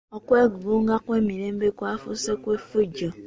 Okwegugunga okw'emirembe kwafuuse okw'effujjo.